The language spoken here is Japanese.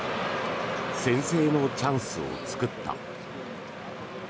先制のチャンスを作った。